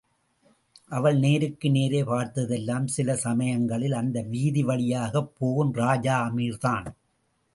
அவள் நேருக்கு நேரே பார்த்ததெல்லாம் சில சமயங்களில் அந்த வீதி வழியாகப் போகும் ராஜ அமீர்தான்!